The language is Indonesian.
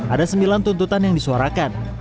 ada sembilan tuntutan yang disuarakan